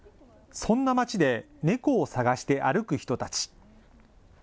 そんな町で、猫を探して歩く人たち。